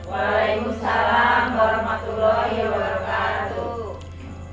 waalaikumsalam warahmatullahi wabarakatuh